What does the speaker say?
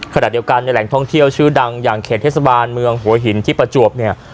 ขณะเดียวกันในแหล่งท่องเที่ยวชื่อดังอย่างเขตเทศบาลเมืองหัวหินที่ประจวบเนี่ย